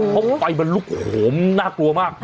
เพราะไฟมันลุกโหมน่ากลัวมาก